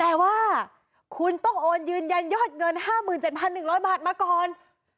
แต่ว่าคุณต้องโอนยืนยันยอดเงิน๕๗๑๐๐บาทมาก่อน